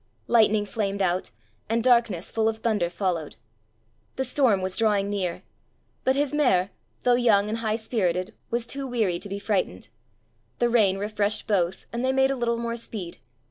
Lightning flamed out, and darkness full of thunder followed. The storm was drawing nearer, but his mare, though young and high spirited, was too weary to be frightened; the rain refreshed both, and they made a little more speed.